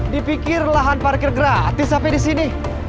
dipikir lahan parkir gratis sampe disini